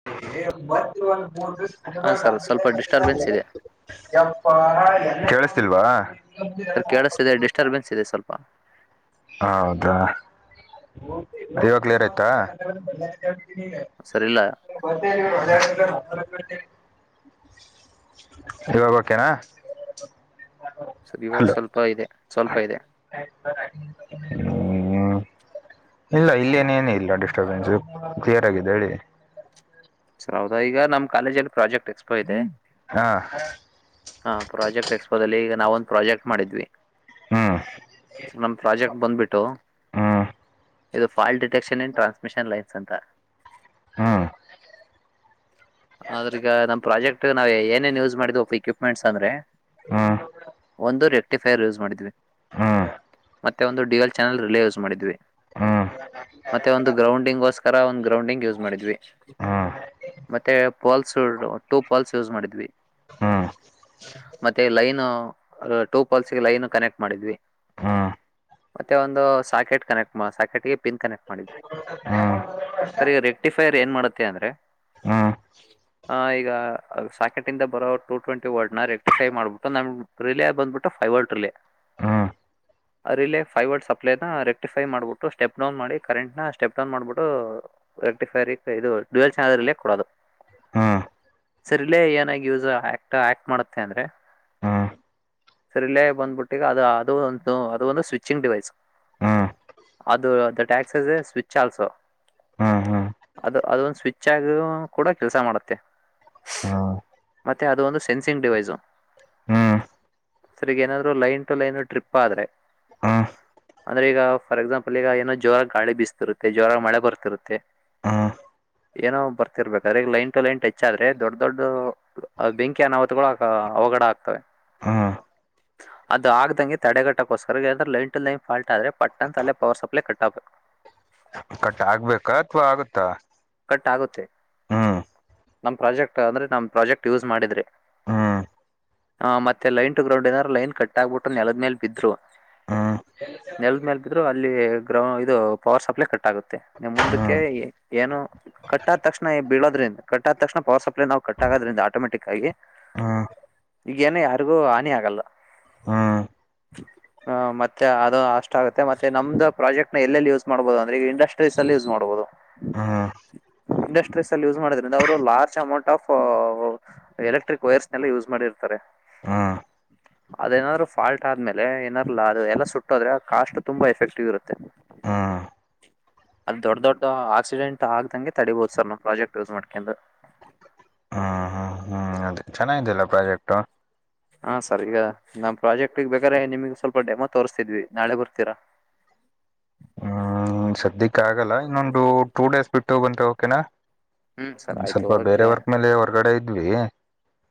[unintelligible] ಯಪ್ಪ ಹಾಂ ಸರ್ ಸ್ವಲ್ಪ ಡಿಸ್ಟರ್ಬೆನ್ಸ್ ಇದೆ ಕೇಳಸ್ತಿಲ್ವಾ. ಹೆ ಕೇಳಿಸ್ತೀದೆ ಡಿಸ್ಟರ್ಬೆನ್ಸ್ ಇದೆ ಸ್ವಲ್ಪ. ಹೌದಾ ಇವಾಗ ಕ್ಲಿಯರ್ ಆಯ್ತಾ. ಸರ್ ಇಲ್ಲ [unintelligible] ಇವಾಗ ಓಕೆ ನಾ ಸರ್ ಇವಾಗ ಸ್ವಲ್ಪ ಇದೆ ಸ್ವಲ್ಪ ಇದೆ. ಹ್ಮ್ ಹ್ಮ್ ಇಲ್ಲ ಇಲ್ಲನೇನೂ ಇಲ್ಲ ಡಿಸ್ಟ್ ಬೆನ್ಸ್ ಕ್ಲಿಯರ್ ಆಗಿದ್ದೆ ಹೇಳಿ ಸರ್ ಹೌದಾ ಈಗ ನಮ್ಮ್ ಕಾಲೇಜ್ ಅಲ್ಲಿ ಪ್ರಾಜೆಕ್ಟ್ ಎಕ್ಸ್ ಪೋ ಇದೆ. ಹಾ ಹಾ ಪ್ರಾಜೆಕ್ಟ್ ಎಕ್ಸ್ ಪೋ ದಲ್ಲಿ ಈಗ ನಾವು ಒಂದು ಪ್ರಾಜೆಕ್ಟ್ ಮಾಡಿದ್ವಿ. ಹ್ಮ್ ಸರ್ ನಮ್ಮ್ ಪ್ರಾಜೆಕ್ಟ್ ಬಂದ್ಬಿಟ್ಟು. ಹ್ಮ್ ಇದು fault detection and transmission lines ಅಂತ. ಹ್ಮ್ ಆದ್ರೆ ಈಗ ನಮ್ಮ ಪ್ರಾಜೆಕ್ಟ್ ನಾವು ಏನೇನ್ ಯೂಸ್ ಮಾಡಿದ್ ಇಕ್ವಿಪ್ಮೆಟ್ಸ್ ಅಂದ್ರೆ. ಹ್ಮ್ ಒಂದು ರೆಕ್ಟಿಫೈರ್ ಯೂಸ್ ಮಾಡಿದ್ವಿ. ಹ್ಮ್ ಮತ್ತೆ ಒಂದು D L channel relay use ಮಾಡಿದ್ವಿ. ಹ ಮತ್ತೆ ಒಂದು ಗ್ರೌಂಡಿಂಗ್ಗೋಸ್ಕರ ಒಂದು ಗ್ರೌಂಡಿಂಗ್ ಯೂಸ್ ಮಾಡಿದ್ವಿ. ಹಾ ಮತ್ತೆ ಪೋಲ್ಸ್ ಟೂ ಪೋಲ್ಸ್ ಯೂಸ್ ಮಾಡಿದ್ವಿ. ಮತ್ತೆ ಲೈನು ಟೂ ಪಲ್ಸ್ ಗೆ ಲೈನ್ ಕನೆಕ್ಟ್ ಮಾಡಿದ್ವಿ. ಮತ್ತೆ ಒಂದು ಸಾಕೆಟ್ ಕನೆಕ್ಟ್ ಸಾಕೆಟ್ ಗೆ ಪಿನ್ ಕನೆಕ್ಟ್ ಮಾಡಿದ್ವಿ. ಹಾ. ರೀ ಈ ರೆಕ್ಟಿಫೈರ್ ಏನ್ ಮಾಡುತ್ತೆ ಅಂದ್ರೆ [inaudible] ಹಾ ಈಗ ಸಾಕೆಟ್ ಇಂದ ಬರೋ ಟು ಟ್ವೆಂಟಿ ವರ್ಡ್ನಾ ರೆಕ್ಟಿಫೈ ಮಾಡ್ಬಿಟ್ಟು ನಮ ರಿಲೆ ಬಂದ್ಬಿಟ್ಟ ಫೈವರ್ಡ ರಿಲೆ ಹಾ. ರಿಲೆ ಫೈವಡ್ ಸಪ್ಲೈನ ರೆಕ್ಟಿಫೈ ಮಾಡ್ಬಿಟ್ಟು ಸ್ಟೆಪ್ ಡೌನ್ ಮಾಡಿ ಕರೆಂಟ್ ನ ಸ್ಟೆಪ್ ಡೌನ್ ಮಾಡ್ಬಿಟ್ಟೂ ರೆಕ್ಟಿಫೈರಿ ಕ್ ಇದು ಡುಯೆಲ್ [unintelligible] ಕೊಡೋದು ಸರ್ ಇಲ್ಲೇ ಏನಾಗಿ ಯೂಸ್ ಹ್ಯಾಕ್ಟ್ ಆಕ್ಟ್ ಮಾಡುತ್ತೆ ಅಂದ್ರೆ ಸರಿಲೇ ಬಂದ್ಬಿಟ್ಟ ಈಗ ಅದ ಅದು ಒಂದು ಅದು ಒಂದು ಸ್ವಿಚ್ಚಿಂಗ್ ಡಿವೈಸ್ ಹ್ಮ್ ಅದ the tax is a switch also ಅದ ಅದೊಂದು ಸ್ವಿಚ್ ಆಗಿಯೂ ಕೂಡ ಕೆಲಸ ಮಾಡುತ್ತೆ [unintelligible] ಮತ್ತೆ ಅದು ಒಂದು ಸೆನ್ಸಿಂಗ್ ಡಿವೈಸು ಹ್ಮ್. ಸರ್ ಇಗ ಏನಾದ್ರು ಲೈನ್ ಟು ಲೈನ್ ಟ್ರಿಪ್ ಆದ್ರೆ ಹ್ಮಾ. ಅದ್ರೆ ಈಗ ಫಾರ್ ಎಕ್ಸಾಂಪಲ್ ಈಗ ಏನೋ ಜೋರಾಗಿ ಗಾಳಿ ಬಿಸ್ತಿರುತ್ತೆ ಜೋರಾಗಿ ಮಳೆ ಬರ್ತಿರುತ್ತೆ ಹಾ. ಏನೋ ಬರ್ತಿರ್ಬೇಕಾದ್ರೆ ಈಗ ಲೈನ್ ಟು ಲೈನ್ ಟಚ್ಚಾದ್ರೆ ದೊಡ್ಡ ದೊಡ್ ಅ ಬೆಂಕಿ ಅನಾಹತ್ಗಳು ಅಗ ಅವಘಡ ಆಗ್ತವೆ ಹಾ. ಅದು ಆಗ್ದಂಗೆ ತಡೆಗಟ್ಟೊಕೋಸ್ಕರ ಏನಂದ್ರೆ ಲೈನ್ ಟು ಲೈನ್ ಫಾಲ್ಟ್ ಆದ್ರೆ ಪಟ್ ಅಂತ್ ಅಲ್ಲೆ ಪವರ್ ಸಪ್ಲೈ ಕಟ್ ಆಗ್ಬೇಕು ಕಟ್ಟ್ ಆಗ್ಬೇಕಾ ಅಥವಾ ಆಗುತ್ತಾ ಕಟ್ಟ್ ಆಗುತ್ತೆ. ಹ್ಮ್ ನಮ್ ಪ್ರಾಜೆಕ್ಟ್ ಅಂದ್ರೆ ನಮ್ ಪ್ರಾಜೆಕ್ಟ್ ಯೂಸ್ ಮಾಡಿದ್ರೆ ಹ್ಮ್ ಹ ಮತ್ತೆ ಲೈನ್ ಟು ಗ್ರೌಂಡ್ ಏನಾರ ಲೈನ್ ಕಟ್ ಆಗ್ಬಿಟ್ಟು ನೆಲಗ್ ಮೇಲ್ ಬಿದ್ರುವಾ ಹ್ಮ್ ನೆಲದ ಮೇಲ್ ಬಿದ್ರು ಅಲ್ಲಿ ಗ್ರೌ ಇದು ಪವರ್ ಸಪ್ಲೈ ಕಟ್ ಆಗುತ್ತೆ. ನಿಮ್ಮ್ ಮುಂದಕ್ಕೆ ಹ್ಮ್ ಏನು ಕಟ್ಟಾದ ತಕ್ಷಣ ಏ ಬೀಳೋದ್ರಿಂದ ಕಟ್ಟ್ ಆದ ತಕ್ಷಣ ಪವರ್ ಸಪ್ಲೈ ನಾವು ಕಟ್ ಆಗೋದ್ರಿಂದ ಆಟೋಮೆಟಿಕ್ ಆಗಿ ಹ್ಮ್ ಹ್ಮ್ ಈಗೇನ ಯಾರಿಗೂ ಹಾನಿ ಆಗಲ್ಲ ಹ್ಮ್ [inaudible] ಹಾ ಮತ್ತೆ ಅದು ಅಷ್ಟ ಆಗುತ್ತೆ ಮತ್ತೆ ನಮ್ದ ಪ್ರಾಜೆಕ್ಟ್ ನ ಎಲ್ಲೆಲ್ಲಿ ಯೂಸ್ ಮಾಡ್ಬಹುದು ಅಂದ್ರೆಗ ಇಂಡಸ್ಟ್ರೀಸ್ ಅಲ್ಲಿ ಯೂಸ್ ಮಾಡ್ಬಹುದು ಹ್ಮ್ ಇಂಡಸ್ಟ್ರೀಸ್ ಅಲ್ಲಿ ಯೂಸ್ ಮಾಡೊದ್ರಿಂದ ಅವರು ಲಾರ್ಜ್ ಅಮೌಂಟ್ ಆಫ್ ಎಲೆಕ್ಟ್ರಿಕ್ ವೈರ್ಸ್ನೆಲ್ಲ ಯೂಸ್ ಮಾಡಿರ್ತಾರೆ [inaudible] ಅದೇನಾದ್ರು ಫಾಲ್ಟ್ ಆದ್ಮೇಲೆ ಏನಾರ ಲಾ ಎಲ್ಲಾ ಸುಟ್ಟು ಹೋದರೆ ಕಾಸ್ಟ್ ತುಂಬಾ ಎಫೆಕ್ಟಿವ್ ಇರುತ್ತೆ. ಹಾ. ಅದ್ ದೊಡ್ಡ ದೊಡ್ಡ ಆಕ್ಸಿಡೆಂಟ್ ಆಗ್ದಂಗೆ ತಡಿಬಹದು ಸರ್ ನಮ್ ಪ್ರಾಜೆಕ್ಟ್ ಯೂಸ್ ಮಾಡ್ಕೊಂಡ್ ಚೆನ್ನಾಗಿ ಇದ್ಯಲ್ಲ ಪ್ರಾಜೆಕ್ಟು ಹಾ ಸರ್ ಈಗ ನಮ್ಮ್ ಪ್ರಾಜೆಕ್ಟಗ್ ಬೇಕಾದ್ರೆ ನಿಮ್ಗ್ ಸ್ವಲ್ಪ ಡೆಮೊ ತೋರಿಸ್ತಿದ್ವಿ ನಾಳೆ ಬರ್ತೀರಾ ಹ್ಮಾ ಸದ್ಯಕ್ಕ ಆಗಲ್ಲ ಇನ್ನೊಂದು ಟೂ ಡೇಸ್ ಬಿಟ್ಟು ಬಂದ್ರೆ ಓಕೆನಾ. ಹ್ಮ್ ಸರ್ ಆಯ್ತು ಸ್ವಲ್ಪ ಬೇರೆ ಓಕೆ ವರ್ಕ್ ಮೇಲೆ ಹೊರ್ಗಡೆ ಇದ್ವೀ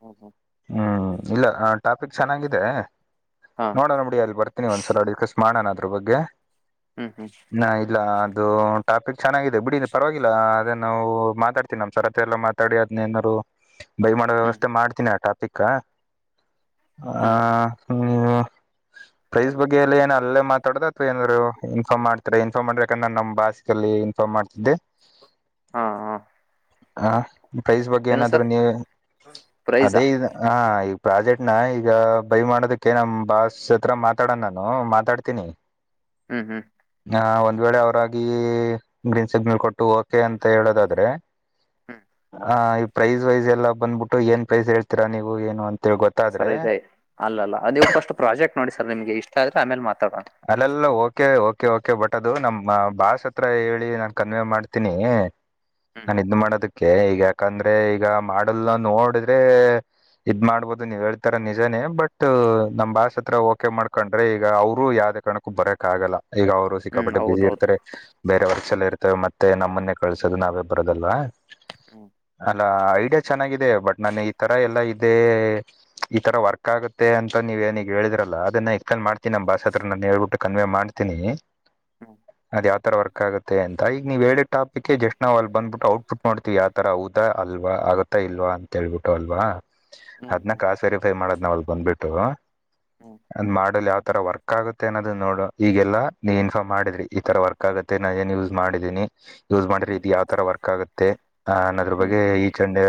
ಓಹೋ. ಹ್ಮ್ ಇಲ್ಲಾ ಆ ಟಾಪಿಕ್ ಚೆನ್ನಾಗಿದೆ ಹಾ. ನೋಡಣ ಬಿಡಿ ಅಲ್ಲಿಗ್ ಬರ್ತೀನಿ ಒಂದ್ಸಲ ಡಿಕಸ್ ಮಾಡಣ ಅದ್ರ ಬಗ್ಗೇ ಹ್ಮ್ ಹ್ಮ್ ಹಾ ಇಲ್ಲ ಅದು ಟಾಪಿಕ್ ಚೆನ್ನಾಗಿದೆ ಬಿಡಿ ಪರವಾಗಿಲ್ಲ ಅದೇ ನಾವು ಮಾತಾಡ್ತೀನಿ ನಮ್ ಸರ್ ಹತ್ರ ಎಲ್ಲ. ತಾಡಿ ಅದ್ನಯೇನಾರು. ಬೈ ಮಾಡೋ ಹ್ಮ್ ವ್ಯವಸ್ಥೆ ಮಾಡ್ತೀನಿ ಆ ಟಾಪಿಕ ಆ ಹ್ಮ್ ಹು. ಪ್ರೈಸ್ ಬಗ್ಗೆ ಎಲ್ಲ ಏನ ಅಲ್ಲೇ ಮಾತಾಡ್ದ ಅಥವಾ ಏನಾದ್ರು ಇನ್ಫಾಮ್ ಮಾಡ್ತ ಇನ್ಫಾರ್ಮ್ ಮಾಡ್ಬೇಕಂದ್ರ ನಮ್ಮ ಭಾಸ್ಕಲ್ಲಿ ಇನ್ಫಾರ್ಮ್ ಮಾಡ್ತಿದ್ದೆ. ಹಾ ಹಾ ಹ ಪ್ರೈಸ್ ಬಗ್ಗೆ ಏನು ಏನಾದ್ರು ಸರ್ ನೀ ಪ್ರೈಸಾ ಅದೇ ಇದು. ಹ ಈಗ ಪ್ರಾಜೆಕ್ಟ್ ನ ಈಗ ಬೈ ಮಾಡೋದಕ್ಕೆ ನಮ್ಮ್ ಬಾಸ್ ಹತ್ರ ಮಾತಾಡೋಣ ನಾನು ಮಾತಾಡ್ತೀನಿ. ಹ್ಮ್ ಹ್ಮ್ ಆ ಒಂದ್ ವೇಳೆ ಅವರಾಗಿ ಗ್ರೀನ್ ಸಿಗ್ನಲ್ ಕೊಟ್ಟು ಓಕೆ ಅಂತ ಹೇಳೋದಾದ್ರೆ ಹ್ಮ್ ಹ ಈ ಪ್ರೈಸ್ ವೈಸ್ ಎಲ್ಲ ಬಂದ್ಬಿಟ್ಟು ಏನ್ ಪ್ರೈಸ್ ಹೇಳ್ತೀರ ನೀವು ಏನು ಅಂತ. ಸರಿ ಇ ಅಲ್ಲ ಅಲ್ಲ ಅ ನೀವು ಫಸ್ಟ್ ಪ್ರಾಜೆಕ್ಟ್ ನೋಡಿ ಸರ್ ನಿಮ್ಗೆ ಇಷ್ಟ ಆದ್ರೆ ಆಮೇಲೆ ಮಾತಾಡೋ. ಅಲ್ಲಲ್ಲ ಓಕೆ ಓಕೆ ಓಕೆ ಬಟ್ ಅದು ನಮ್ಮ್ ಬಾಸ್ ಹತ್ರ ಹೇಳಿ ನಾನ್ ಕನ್ವೇ ಮಾಡ್ತೀನಿ ಹ್ಮ್ ನನ್ ಇದ್ ಮಾಡೋದಕ್ಕೆ ಈಗ ಯಾಕಂದ್ರೆ ಈಗ ಮಾಡಲ್ಲ ನೋಡಿದ್ರೆ. ಇದ್ ಮಾಡ್ಬೋದು ನೀವ್ ಹೇಳ್ತಾರ ನಿಜಾನೇ ಬಟ್ ನಮ್ ಬಾಸ್ ಹತ್ರ ಓಕೆ ಮಾಡ್ಕೊಂಡ್ರೆ ಈಗ. ಅವರು ಯಾವ್ದೇ ಕಣಕ್ಕೂ ಬರಕಕ್ಕಗಲ್ಲ ಈಗ ಅವರು ಹ್ಮ್ ಸಿಕ್ಕಾಪಡ್ಟ್ಟೆ ಬಿಸಿ ಹೌದೌದು ಇರ್ತಾರೆ. ಬೇರೆ ವರ್ಷಲ್ಲ ಇರ್ತೇವೆ ಮತ್ತೆ ನಮ್ಮನ್ನೆ ಕಳ್ಸೋದು ನಾವೇ ಬರೋದಲ್ವಾ ಹ್ಮ್ ಅಲ್ಲ ಐಡಿಯಾ ಚೆನ್ನಾಗಿದೆ ಬಟ್ ನಾನು ಈ ತರ ಎಲ್ಲಾ ಇದೆ. ಈತರ ವರ್ಕ್ ಆಗುತ್ತೆ ಅಂತ ನೀ ಏನಿಗೆ ಹೇಳಿದ್ರಲ್ಲ ಅದನ್ನ ಎಕ್ಸ್ಪ್ಲೇನ್ ಮಾಡ್ತೀ ನಮ್ಮ್ ಭಾಷೆ. ನಾನು ಹೇಳ್ಬಿಟ್ಟು ಕನ್ವೇ ಮಾಡ್ತೀನಿ ಹ್ಮ್ ಅದು ಯಾವ ತರ ವರ್ಕ್ ಆಗುತ್ತೆ ಅಂತ ಈಗ ನೀವ್ ಹೇಳಿ. ಟಾಪಿಕ್ಗೆ ಜಸ್ಟ್ ನಾವು ಅಲ್ಲಿ ಬಂದ್ಬಿಟ್ಟು ಔಟ್ಪುಟ್ ಮಾಡ್ತೀವಿ ಯಾವತರ ಹೌದಾ ಅಲ್ವಾ ಆಗತ್ತಾ ಇಲ್ವಾ ಅಂತ ಕೇಳ್ಬಿಟ್ಟು ಅಲ್ವಾ. ಹ್ಮ್ ಅದ್ನ್ನ ಹ್ಮ್ ಕ್ರಾಸ್ ವೆರಿಫೈ ಮಾಡದ್ನಾವು ಅಲ್ಲಿ ಬಂದ್ಬಿಟ್ಟು ಆ ಹ್ಮ್ ಮಾಡ್ಯುಲ್ ಯಾವ್ತರ ವರ್ಕ್. ವರ್ಕ್ ಆಗುತ್ತೆ ಅನ್ನೋದು ನೋಡು ಈಗೆಲ್ಲ ನೀ ಇನ್ಫಾಮ್ ಮಾಡಿದ್ರಿ ಈ ತರ ವರ್ಕ್ ಆಗುತ್ತೆ ನಾನ ಏನ್ ಯೂಸ್ ಮಾಡಿದೀನಿ. ಯೂಸ್ ಮಾಡ್ರಿ ಇದು ಹ್ಮ್ ಯಾವ್ ತರ ವರ್ಕ್ ಆಗುತ್ತೆ ಅ ಅನ್ನೋದ್ರ ಹ್ಮ್ ಬಗ್ಗೆ ಈಚ್ ಅಂಡ್.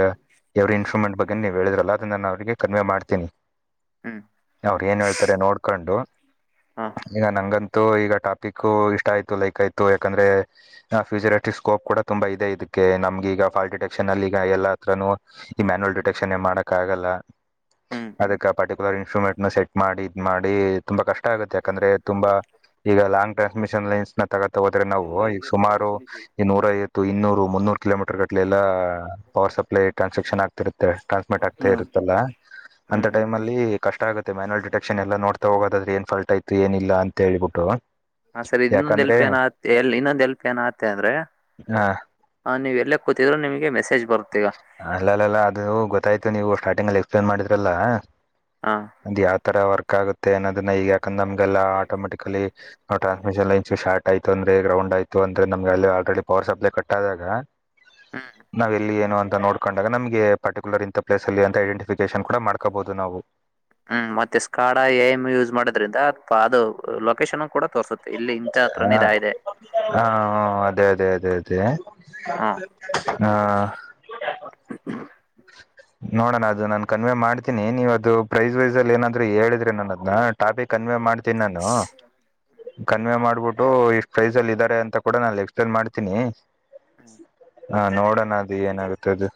ಎವ್ರ ಇನ್ಸ್ಟ್ರಮೆಂಟ್ ಬಗ್ಗೆ ನೀ ಹೇಳಿದ್ರಲ್ಲ ಅ ನಾನು ಅವರಿಗೆ ಕನ್ಮೆ ಮಾಡ್ತೀನಿ. ಹ್ಮ್ ಅವ್ರ ಏನ್ ಹೇಳ್ತಾರೆ ನೋಡ್ಕೊಂಡು. ಹ್ಮ್ ಈಗ ನಂಗಂತೂ ಈಗ ಟಾಪಿಕ್ ಇಷ್ಟ ಆಯ್ತು ಲೈಕ್ ಆಯ್ತು ಯಾಕಂದ್ರೆ. ಆ ಫ್ಯಚರಟ್ರಿ ಸ್ಕೋಪ್ ಕೂ ತುಂಬಾ ಇದೆ ಇದಕ್ಕೆ ನಮಗೆ ಈಗ ಫಾಲ್ ಡಿಟೆಕ್ಷನ್ ಅಲ್ಲಿ ಈಗ ಎಲ್ಲ ಹತ್ರನೂ. ಈ ಮ್ಯನ್ಯುವಲ್ ಡಿಟೆಕ್ಷನ್ ಏನ್ ಮಾಡಕ್ ಆಗಲ್ಲ. ಹ್ಮ್ ಪರ್ಟಿಕ್ಯುಲರ್ ಇನ್ಸ್ಟ್ರೂಮೆಂಟ್ ನ ಸೆಟ್ ಮಾಡಿ ಇದ ಮಾಡಿ ತುಂಬಾ ಕಷ್ಟ ಆಗುತ್ತೆ ಯಾಕಂದ್ರೆ ತುಂಬಾ. ಈಗ ಲಾಂಗ್ ಟ್ರನ್ಸ್ಮಿಷನ್ ಲೈನ್ಸ್ ತಕೊಂತ ಹೋದೆ ನಾವು ಈಗ ಸುಮಾರು ಈ ನೂರ. ಇನ್ನೂರು ಮುನ್ನೂರು ಕಿಲೋಮೀಟರ್ ಗಟ್ಲೆ ಎಲ್ಲಾ. ಪವರ್ ಸಪ್ಲೈ ಟ್ರಾನ್ಸಿಕ್ಷನ್ ಆಗ್ತಿರುತ್ತ ಟ್ರಾನ್ಸ್ಮಿಟ್ ಹ್ಮ್ ಆಗ್ತಾ ಇರುತ್ತಲ್ಲ ಅಂತ ಹ್ಮ್ ಹ್ಮ್ ಟೈಮ್ ಅಲ್ಲಿ ಕಷ್ಟ ಆಗುತ್ತೆ ಮ್ಯಾನಯಲ್ ಡಿಟಕ್ಷನ್ಲ್ಲಯೆಲ್ಲಾ ನೋಡ್ತಾ ಹೋಗೋದ್ರಾದ್ರೆ ಏನ್ ಫಾಲ್ಟ್ ಅಯ್ತೆ ಅಂತೇಳ್ಬಿಟ್ಟು. ಹ ಸರಿ ಇ ಇನ್ನೊಂದ್ ಎಲ್ಪ್ ಏನ ಇನ್ನೊಂದ್ ಎಲ್ಪ ಏನಆತ್ತ ಅಂತ ಅಂದ್ರೆ. ಹ ಹಾ ನೀವು ಎಲ್ಲೇ ಕೂತಿದರು ನಿಮಗೆ ಮೆಸೇಜ್ ಬರುತ್ತೆ ಈಗ. ಅಲ್ಲ ಅಲ್ಲಾ ಅದು ಗೊತ್ತಾಯ್ತು ನೀವು ಸ್ಟಾರ್ಟಿಂಗ್ ಅಲ್ಲಿ ಎಕ್ಸ್ಪ್ಲೇನ್ ಮಾಡಿದ್ರಲ್ಲಾ. ಹಾ ಅಂದ್ ಯಾವ ತರ ವರ್ಕ್ ಆಗುತ್ತೆ ಅನ್ನೋದನ್ನ ಈಗ. ನಮಗೆಲ್ಲ ಆಟೋಮೆಟಿಕಲಿವು ಟ್ರನ್ಸ್ಮಿಷನ್ ಲೈನ್ ಶಾರ್ಟ್. ಆಯ್ತು ಅಂದ್ರೆ ಗ್ರೌಂಡ್ ಆಯ್ತ ಅಂದ್ರೆ ನಮ್ಮಗೆ ಅಲ್ಲಿ ಆಲ್ರಡಿ ಪವರ್ ಸಪ್ಲೈ ಕಟ್ ಆದಾಗ. ಹ್ಮ ನಾವು ಎಲ್ಲಿ ಏನು ಅಂತ ನೋಡಕೊಂಡಾಗ ನಮಗೆ ಪರ್ಟಿಕ್ಯುಲರ್ ಇಂಥ ಪ್ಲೇಸ್ ಅಲ್ಲಿ ಅಂತ ಐಡೆಂಟಿಫಿಕೇಶನ್ ಕಡೂ ಮ ಮಾಡಕೋಬಹುದು ನಾವು. ಹ್ಮ್ ಮತ್ತೆ ಸ್ಕಾಡ ಏನೂ ಯೂಸ್ ಮಾಡೋದ್ರಿಂದ ಅದು ಲೋಕೇಷನ್ ಕೂಡ ತೋರುಸುತ್ತ್ ಹಾ ಹಾ ಅದೇ ಅದೇ ಅದೇ ಅದೇ ಹಾ ಹಾ ಹ ನೋಡೋಣ ಅದು ನಾನ್ ಕನ್ವೇ ಮಾಡ್ತೀನಿ ನೀವು ಅದು ಪ್ರೈಸ್ ವೈಸ್ ಅಲ್ಲಿ ಏನಾದ್ರು ಹೇಳಿದ್ರೆ ನಾನು ಅದನ್ನ ಟಾಪಿಕ್ ಕನ್ವೇ ಮಾಡ್ ತ್ತೀನ್ ನಾನು ಕನ್ವೆೇ ಮಾಡ್ಬಿಟ್ಟು ಇಷ್ಟು ಪ್ರೈಸ್ ಅಲ್ಲಿ ಇದ್ದಾರೆ ಅಂತ ಕೂಡ ನಾನು ಎಕ್ಸ್ ಪ್ಲೈನ್ ಮಾಡ್ತೀನಿ. ಹಾ ನೋಡೋಣ ಅದು ಏನಾಗುತ್ತೆ ಅದು.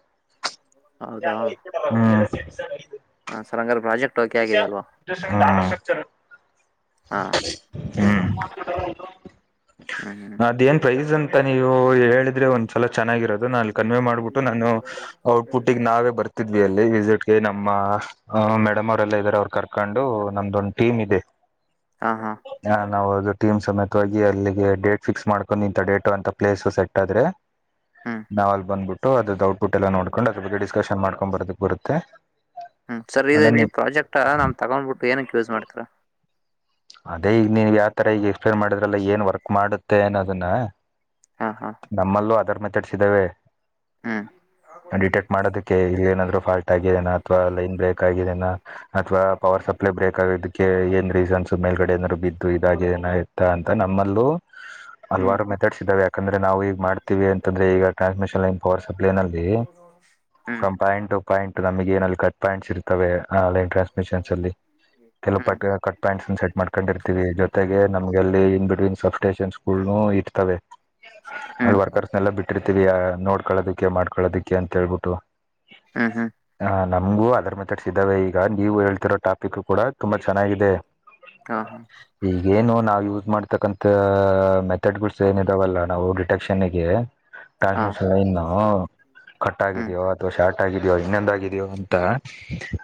ಹೌದಾ ಹ್ಮ್ ಹ ಸರ್ ಹಂಗರೆ ಪ್ರಾಜೆಕ್ಟ್ ಓಕೆ ಆಗಿದೆ ಅಲ್ವಾ ಆ ಸಕ್ತ ಹಾ [unintelligible] ಹ್ಮ್ ಹ್ಮ್ ಹ್ಮ್ ಅದೇನ್ ಪ್ರೈಸ್ ಅಂತ್ ಮತ್ತೆ ನೀವು ಹೇಳಿದ್ರೆ ಒಂದ್ಸಲ ಚೆನ್ನಾಗಿರೋದು ನಾಲ್ಕ್ ಕನ್ವೆೇ ಮಾಡ್ಬಿಟ್ಟು ನಾನು ಔಟ್ ಪುಟ್ ನಾವೇ ಬರ್ತಿ ತ್ತೀದ್ವಿ ಅಲ್ಲಿ ವಿಸಿಟ್ಗೆ ನಮ್ಮ ಮೇಡಮ್ ಅವರ್ ಪಕ್ಕದಲ್ಲೆ ಇದ್ದಾರೆ ಅವರು ಕರ್ಕೊಂಡು ನಮ್ದ್ ಒಂದು ಟೀಮ್ ಇದೆ. ಹಾ ಹಾ ಹ ನಾವು ಅದು ಟೀಮ್ ಸಮೇತವಾಗಿ ಅಲ್ಲಿಗೆ ಡೇಟ್ ಫಿಕ್ಸ್ ಮಾಡ್ಕೊಂಡು ಇಂತಥ ಡೇಟ್ ಅಂತ ಪ್ಲೇಸು ಸೆಟ್ ಆದ್ರೆ ಹ್ಮ್ ನಾವು ಅಲ್ಲಿ ಬಂದ್ಬಿಟ್ಟು ಅದು ಔಟ್ ಪುಟ್ ಎಲ್ಲ ನೋಡ್ಕೊಂಡು ಅದ್ರ ಬಗ್ಗೆ ಡಿಸ್ಕಶನ್ ಮಾಡ್ಕೊಂಡ್ ಬರ್ದಕ್ ಬರುತ್ತೆ. ಹ್ಮ್ ಸರ್ ಈ ಅದೇ ನೀ ನೀವು ಪ್ರಾಜೆಕ್ಟ್ ನಮ್ ತಗೊಂಡ್ಬಿಟ್ಟು ಏನಕ್ ಯೂಸ್ ಮಾಡ್ತೀರಾ. ಅದೇ ಈಗ ನೀವ್ ಯಾವತರ ಈಗ ಎಕ್ಸ್ಪ್ಲೇನ್ ಮಾಡಿದ್ರಲ್ಲ ಏನ್ ವರ್ಕ್ ಮಾಡುತ್ತೆ ಅನ್ನೋದನ್ನ‌. ಹಾ ಹಾ ನಮ್ಮಲ್ಲೂ ಅದರ್ ಮೇತೆಡ್ಸ್ ಇದ್ದಾವೆ ಹ್ಮ್ ಡಿಟೆಕ್ಟ್ ಮಾಡೋದಕ್ಕೆ ಇಲ್ಲಿ ಏನಾದ್ರು ಫಾಲ್ಟ್ ತೆಗಿಯೋನ ಅಥವಾ ಲೈನ್ ಬ್ರೇಕ್ ಆಗಿದೆೇಯನಾ ಅಥವಾ ಪವರ್ ಸಪ್ಲೈ ಬ್ರೇಕ್ ಆಗಿದ್ದಕ್ಕೆ ಏನ್ ರೀಸನ್ಸ್ ಮೇಲ್ಗಡೆ ಏನಾದ್ರು ಬಿದ್ದು ಇದಾಗ ಏನೂ ಅಂತ ನಮ್ಮಲ್ಲೂ ಹ್ಮ್ ಹಲವರು ಮ್ಯಾ ತೆಡ್ಸ್ ಇದ್ದಾವೆ ಯಾಕಂದ್ರೆ ನಾವು ಈ ಮಾಡ್ತೀವಿ ಅಂತಂದ್ರೆ ಈಗ ಟ್ರಾನ್ಸ್ ಮಿಷನ್ ಲೈ ಪವರ್ ಸಪ್ಲೈನಲ್ಲಿ ಹ್ಮ್ ಫ್ರಮ್ ಪಾಯಿಂಟೂ ಪಾಯಿಂಟ್ ನಮಗೆ ಏನ್ ಕಟ್ ಪಾಯಿಂಟ್ಸ್ ಇರ್ತವೆ ಆನ್ ಲೈನ್ ಟ್ರಾನ್ಸ್ಮಿಷನ್ಸ್ ಅಲ್ಲಿ ಕೆಲ ಹ್ಮ್ ಪಟ್ ಕಟ್ ಪಾಯಿಂಟ್ಸ್ ನಾ ಸೆಟ್ ಮಾಡ್ಕೊಂಡಿರ್ತೀವಿ ಜೊತೆಗೆ ನಮ್ಗೆಲ್ಲಿ ಇನ್ ಬಿಟ್ವೀನ್ ಸಬ್ ಸ್ಟೇಷನ್ಸ್ ಗಳನ್ನು ಇರ್ತವೆ. ಅಲ್ಲಿ ಹ್ಮ್ ವರ್ಕರ್ಸ್ನೆಲ್ಲಾ ಬಿಟ್ಟಿರ್ತೀವಿ ನೋಡ್ಕೊಳ್ಳೋದಿಕ್ಕೆ ಮಾಡ್ಕೊಳೋದಿಕ್ಕೆ ಅಂತ ಹೇಳ್ಬಿಟ್ಟು. ಹ್ಮ ಹ್ಮ ಹ ನಮಗೂ ಅದರ್ ಮೆತೆಡ್ಸ್ ಇದ್ದಾವೆ ಈಗ ನೀವು ಹೇಳ್ತಿರೋ ಟಾಪಿಕ್ ಕೂಡ ತುಂಬಾ ಚೆನ್ನಾಗಿದೆ. ಹ ಹಾ ಹಾ [unintelligible] ಈಗೇನು ನಾವು ಯೂಸ್ ಮಾಡತಕ್ಕಂತ ಮೆಥಡ್ಸ್ ಗಳು ಸೇಮ್ ಇದಾವಲ್ಲ ನಾವು ಡಿಟೆಕ್ಷನ್ ಗೆ ಹಾ ಟ್ರಾನ್ಸ್ಮಿಷನ್ ಲೈನ್ ಕಟ್ ಹ್ಮ್ ಆಗಿದ್ಯೋ ಅಥವಾ ಶಾರ್ಟ್ ಆಗಿದೆಯೋ ಇನ್ನೊಂದಾಗಿದ್ಯೋ ಅಂತ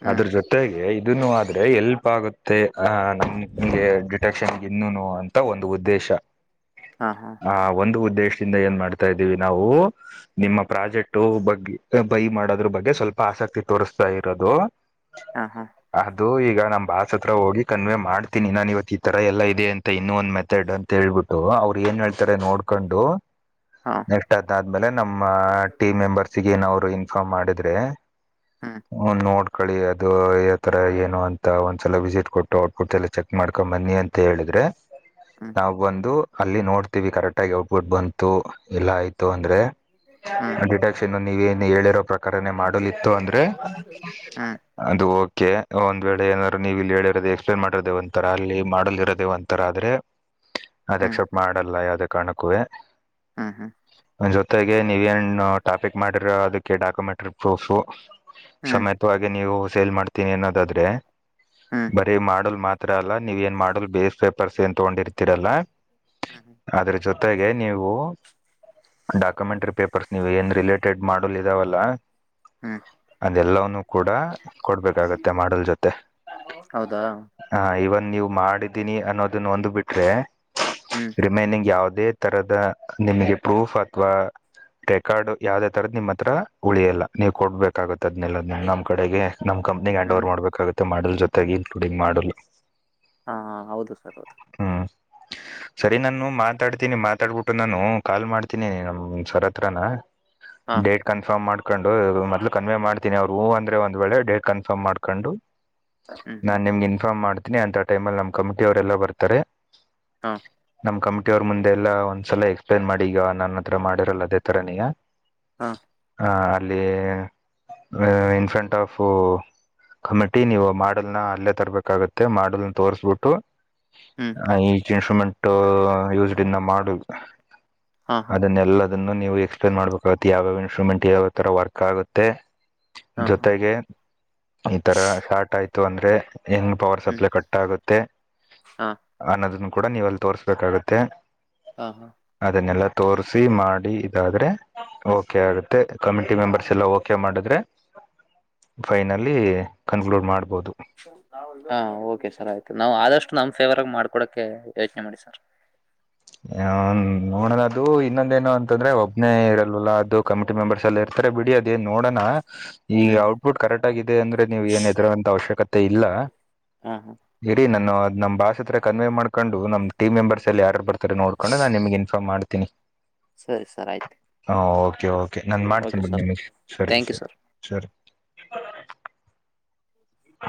ಹ್ಮ್ ಅದ್ರೂ ಜೊತೆಗೆ ಇದನ್ನು ಆದ್ರೆ ಎಲ್ಪ್ ಆಗುತ್ತೆ. ಹ ನಮಗೆ ಡಿಟೆಕ್ಷನ್ ಇನ್ನುನೂ ಅಂತ ಒಂದು ಉದ್ದೇಶ. ಹಾ ಹಾ ಆ ಒಂದು ಉದ್ದೇಶದಿಂದ ಏನ್ ಮಾಡ್ತಾ ಇದ್ದೀವಿ ನಾವು. ನಿಮ್ಮ ಪ್ರಾಜೆಕ್ಟ್ ಬಗ್ಗೆ ಬೈ ಮಾಡೋದ್ರ ಬಗ್ಗೆ ಸ್ವಲ್ಪ ಆಸಕ್ತಿ ತೋರಿಸ್ತಾ ಇರೋದು. ಹ ಹಾ ಹಾ ಅದು ಈಗ ನಮ್ ಬಾಸ್ ಹತ್ರ ಹೋಗಿ ಕನ್ವೇ ಮಾಡ್ತೀನಿ ನಾನ ಇವತ್ತು ಈ ತರ ಎಲ್ಲ ಇದೆ ಅಂತ ಇನ್ನೊಂದಂದು ಮೆತಡ್ ಅಂತೇಳ್ಬಟ್ಟ ಅವ್ರು ಏನ್ ಹೇಳ್ತಾರೆ ನೋಡ್ ಕಂಡು ಹಾ ನೆಕ್ಸ್ಟ್ ಅದ್ದ್ಮೇಲೆ ನಮ್ಮ ಟೀಮ್ ಮೆಂಬರ್ಸ್ಗ ಏನ ಅವ್ರು ಇನ್ಫಾರ್ಮ್ ಮಾಡಿದ್ರೆ ಹ್ಮ್ ಹ ನೋಡ್ಕಳಿ ಅದು ಯ ತರ ಏನು ಅಂತ ಒಂದ್ಸಲ ವಿಸಿಟ್ ಕೊಟ್ಟ ಔಟ್ಪುಟ್ ಎಲ್ಲ ಚೆಕ್ ಮಾಡ್ಕೊಂಡ ಬನ್ನಿ ಅಂತ ಹೇಳಿದ್ರೆ ಹ್ಮ್ ನಾವು ಬಂದು ಅಲ್ಲಿ ನೋಡ್ತೀವಿ ಕರೆಕ್ಟ್ ಆಗಿ ಔಟ್ಪುಟ್ ಬಂತು ಎಲ್ಲ ಆಯ್ತು ಅಂದ್ರೆ ಹ್ಮ್ [unintelligible] ಕ್ಷ ನೀವೇನು ಹೇಳಿರೋ ಪ್ರಕಾರನೇ ಮಾಡಲಿತ್ತು ಅಂದ್ರೆ [unintelligible] ಹ್ಮ್ ಅದು ಓಕೆ ಒಂದ್ ವೇಳ ಏನಾದಾರರು ನೀವು ಇಲ್ಲಿ ಹೇಳಿರೋದ ಎಕ್ಸ್ಪ್ರೆಮಾಡಿೇವ ಅಂತರ ಅಲ್ಲಿ ಮಾಡಲ್ ಇರೋದೇವ ಒಂತರ ಆದ್ರೆ ಅದ ಹ್ಮ್ ಎಕ್ಸೆಪ್ಟ ಮಾಡಲ್ಲ ಯ ಕಣಕ್ಕುವೆ ಹ್ಮ್ ಹ್ಮ್ ಅದು ಜೊತೆಗೆ ನೀವ ಏನ್ ಟಾಪಿಕ್ ಮಾಡಿರ ಅದಕ್ಕೆ ಡಾಕ್ಯುಮೆಂಟ್ರಿ ಪ್ರೂಫು ಸಮೇತವಾಗಿ ನೀವು ಸೇಲ್ ಮಾಡ್ತೀನಿ ಅನ್ನೋದಾದ್ರೆ ಹ್ಮ್ ಬರೀ ಮಾಡಲ್ ಮಾತ್ರ ಅಲ್ಲ ನೀವ್ ಏನ್ ಮಾಡಲ್ ಬೇಸ್ ಪೇಪರ್ಸ್ ಏನ್ ತಗೊಂಡಿರ್ತೀರಲ್ಲ ಹ್ಮ ಹ್ಮ್ ಅದ್ರ ಜೊತೆಗೆ ನೀವು ಡಾಕ್ಯುಮೆಂಟ್ರರಿ ಪೇಪರ್ಸ್ ನೀವು ಏನ್ ರಿಲೇಟೆಡ್ ಮಾಡಲ್ ಇದಾವಲ್ಲ ಹ್ಮ್ ಅದೆಲ್ಲವನ್ನು ಕೂಡ ಕೊಡ್ಬೇಕಾಗತ್ತೆ ಮಾಡಲ್ ಜೊತೆ [unintelligible] ಹೌದಾ ಹಾ ಇವನ್ ನೀವು ಮಾಡಿದ್ದೀನಿ ಅನ್ನೋದನ್ನು ಒಂದ್ ಬಿಟ್ರೆ ಹ್ಮ್ ರಿಮೈನಿಂಗ್ ಯಾವವುದೇ ತರದ ನಿಮಗೆ ಪ್ರೂಫ್ ಅಥವಾ ರೆಕಾರ್ಡ್ ಯಾವವುದೇ ತರದ್ ನಿಮ್ಮ ಹತ್ರ ಉಳಿಯಲ್ಲ ನೀವು ಕೊಡ್ಬೇಕಾಗತ್ತ ಅದ್ನೆೆಲ್ಲ ನಮ್ಮ್ ಕಡೆಗೆ ನಮ್ಮ್ ಕಂಪ್ನಿಗೆ ಆ್ಯಂಡ್ ಹ್ಮ್ ಓರ್ ಮಾಡಬೇಕಾಗುತ್ತೆ ಮಾಡಲ್ ಜೊತೆಾಗಿ ಇನ್ಕ್ಲೂಡಿಂಗ್ ಮಾಡಲ್ ಹಾ ಹಾ ಹೌದು ಸರ್ ಹೌದು ಹ್ಮ್ ಸರಿ ನಾನು ಮಾತಾಡ್ತೀನಿ ಮಾತಾಡ್ಬಿಟ್ಟು ನಾನು ಕಾಲ್ ಮಾಡ್ತೀನಿ ನಮ ಸರ್ ಆಂಟ್ರೇನ್ ಹಾ [unintelligible] ಕನ್ಫರ್ಮ್ ಮಾಡ್ಕೊಂಡು ಮೊದ್ಲು ಕನ್ವೆೇ ಮಾಡ್ತೀನಿ ಅವರು ಹೂ ಅಂದ್ರೆ ಒಂದ ವೇಳೆ ಡೇಟ್ ಕನ್ಫರ್ಮ್ ಮಾಡ್ಕೊಂಡು ಹ್ಮ್ ಹ್ಮ್ ನಾನ್ ನಿಮ್ಗೆ ಇನ್ಫಾರ್ಮ್ ಮಾಡ್ತೀನಿ ಅಂತ ಟೈಮಲ್ಲಿ ನಮ್ ಕಮಿಟಿ ಅವರೆಲ್ಲ ಬರ್ತಾರೆ ಹಾ ನಮ್ ಕಮಿಟಿ ಅವರ ಮುಂದೆ ಎಲ್ಲ ಒಂದ್ಸಲ ಎಕ್ಸ್ಪ್ಲೇನ್ ಮಾಡಿ ಈಗ ನನ್ನ ಹತ್ರ ಮಾಡಿರಲ್ಲ ಅದೇ ತರ ನೀಗ ಹಾ ಹಾ ಅಲೆ ಇನ್ಫ್ರಾರೆಡ್ ಓ ಕಮಿಟಿ ನೀವು ಮಾಡ ಮಾಡಲ್ ನ ಅಲ್ಲೇ ತರ್ಬೇಕಾಗುತ್ತೆ ಮಾಡಲ್ನ ತೋರ್ಸ್ಬಿಟ್ಟು ಹ್ಮ್ ಆ ಈಜ ಇನ್ಸ್ಟ್ರರುಮೆಂಟ್ ಯೂಸ್ಡಿಂದ ಮಾಡಲ್ ಹಾ ಹಾ ಅದನ್ನೆಲ್ಲ ಅದನ್ನು ನೀವು ಎಕ್ಸ್ಪ್ಲೇನ್ ಮಾಡಬೇಕಾಗುತ್ತ ಯಾವ್ಯಾವ ಇನ್ಸ್ಟೂಮೆಂಟ್ ಯಾವ ತರ ವರ್ಕ್ ಆಗುತ್ತೆ ಹಾ ಹಾ ಜೊತೆಗೆ ಈ ತರ ಶಾರ್ಟ್ ಆಯ್ತು ಅಂದ್ರೆ ಹೆಂಗ ಪವರ್ ಹ್ಮ್ ಸಪ್ಲೈ ಕಟ್ ಆಗುತ್ತೆ ಹಾ ಅನ್ನೋದನ್ನು ಕೂಡ ನೀವೆ ಅಲ್ಲಿ ತೋರ್ಸ್ಬೇಕಾಗುತ್ತೆ ಹಾ ಹಾ ಅದನ್ನೆಲ್ಲಾ ತೋಸಿ ಮಾಡಿ ಇದಾದ್ರೆ ಓಕೆ ಆಗುತ್ತೆ ಕಮಿಟಿ ಮೆಂಬರ್ಸ್ ಎಲ್ಲ ಓಕೆ ಮಾಡಿದ್ರೆ. ಫೈನಲ್ಲಿ ಕನ್ಕ್ಲೂಡ್ ಮಾಡ್ಬೋದು. ಹಾ ಓಕೆ ಸರ್ ಆಯ್ತು ನಾವು ಆದಷ್ಟು ನಮ್ಮ್ ಫೇವರ್ಗ ಮಾಡ್ಕೊಕೆ ಯೋಚನೆ ಮಾಡಿ ಸರ್. ನೋಡದ ಅದು ಇನ್ನೊಂದೇಏನು ಅಂತಂದ್ರೆ ಒಬ್ನೇ ಇರಲ್ವಲ್ಲ ಅದು. ಕಮಿಟಿ ಮೆಂಬರ್ಸ್ ಎಲ್ಲ ಇರ್ತಾರೆ ಬಿಡಿ ಅದೇನ್ ನೋಡೋಣ. ಈ ಹ್ಮ್ ಹ್ಮ್ ಔಟ್ಪುಟ್ ಕರೆಕ್ಟ್ ಆಗಿದೆ ಅಂದ್ರೆ ನೀವು ಏನ್ ಹೆದರಂತ ಅವಶ್ಯಕತೆ ಇಲ್ಲ ಹಾ ಹಾ ಇರೀ ನಾನು ನಮ್ಮ್ ಬಾಸ್ ಹತ್ರ ಕನ್ವೇ ಮಾಡಕೊಂಡು ನಮ್ಮ ಟೀಮ್ ಮೆಂಬರ್ಸ್ ಅಲ್ಲಿ ಯಾರು ಬರ್ತಾರೆ ನೋಡ್ಕೊಂಡು ನಾನ್ ನಿಮಗೆ. ಇಂಫ್ರಮ್ ಮಾಡ್ತೀನಿ. ಸರಿ ಸರ್ ಆಯ್ತು. ಹಾ ಓಕೆ ಓಕೆ ನಾನ ಮಾಡ್ತೀನಿ ಓಕೆ ಬಿಡಿ ಸರ್ ನಿಮ್ಗೆ ಸರಿ ಥ್ಯಾಂಕ್ ಯು ಸರಿ ಸರ್ ಸರಿ.